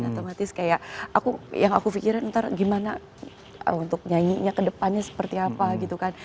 otomatis kayak aku yang aku pikirin ntar gimana untuk nyanyinya kedepannya seperti apa gitu kan